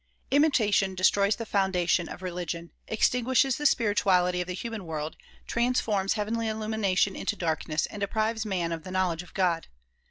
Imitation destroys the foundation of religion, extinguishes the spirituality of the human world, transforms heavenly illumination into darkness and deprives man of the knowledge of God.